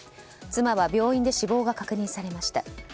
妻は病院で死亡が確認されました。